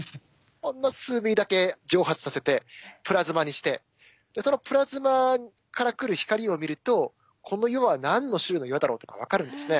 ほんの数ミリだけ蒸発させてプラズマにしてそのプラズマから来る光を見るとこの岩は何の種類の岩だろうとか分かるんですね。